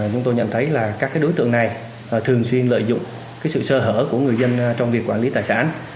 chúng tôi nhận thấy các đối tượng này thường xuyên lợi dụng sự sơ hở của người dân trong việc quản lý tài sản